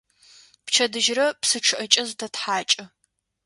Пчэдыжьрэ псы чъыӀэкӀэ зытэтхьакӀы.